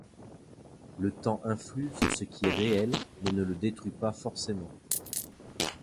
Le temps influe sur ce qui est réel mais ne le détruit pas forcément.